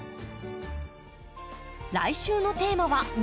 来週のテーマは「水やり」。